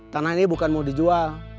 tanah ini bukan mau dijual